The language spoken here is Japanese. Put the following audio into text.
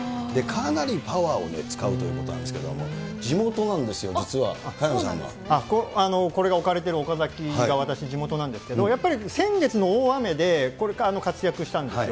かなりパワーを使うということなんですけども、地元なんですよ、これが置かれている岡崎が、私、地元なんですけど、やっぱり先月大雨で、これ、活躍したんですよ。